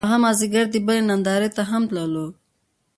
هغه مازیګر د بلۍ نندارې ته هم تللو